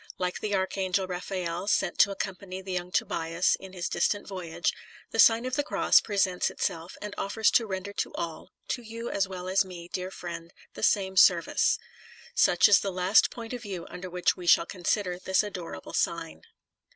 Like the archangel Raphael, sent to accompany the young Tobias in his distant voyage, the Sign of the Cross pre sents itself, and offers to render to all, to you as well as me, dear friend, the same service. Such is the last point of view under which we shall consider this adorable sign.